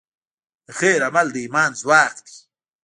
د خیر عمل د ایمان ځواک دی.